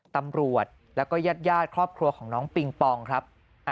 ตำรวจแล้วก็ญาติครอบครัวของน้องปิงปองครับ